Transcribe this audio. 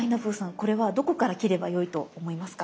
これはどこから切ればよいと思いますか？